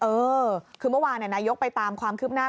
เออคือเมื่อวานนายกไปตามความคืบหน้า